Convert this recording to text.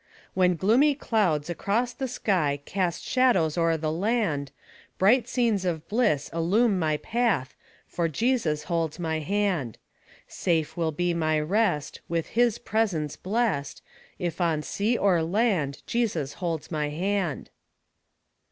" When gloomy clouds across the sky Cast shadows o'er the land, Bright scenes of bliss illume my path, For Jesus holds my hand. Safe will be my rest, AVith his presence blest, If on sea or land Jesus holds my hand."